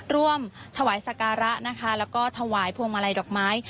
ร่วมถวายศคาะและถวายพวงมาลัยดอกไม้